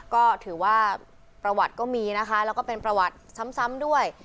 ก็ถือว่าประวัติก็มีนะคะแล้วก็เป็นประวัติซ้ำด้วย